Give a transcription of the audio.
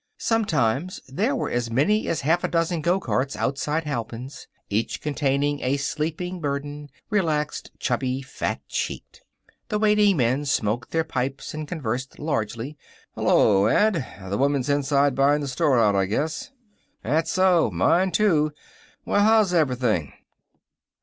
Sometimes there were as many as half a dozen gocarts outside Halpin's, each containing a sleeping burden, relaxed, chubby, fat cheeked. The waiting men smoked their pipes and conversed largely. "Hello, Ed. The woman's inside, buyin' the store out, I guess." "That so? Mine, to. Well, how's everything?"